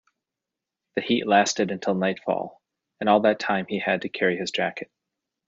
The heat lasted until nightfall, and all that time he had to carry his jacket.